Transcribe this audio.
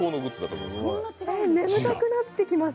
えっ、眠たくなってきます。